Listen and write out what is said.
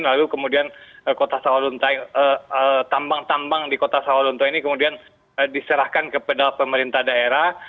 lalu kemudian tambang tambang di kota sawalunto ini kemudian diserahkan kepada pemerintah daerah